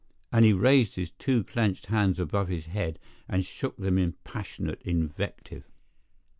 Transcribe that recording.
and he raised his two clinched hands above, his head and shook them in passionate invective.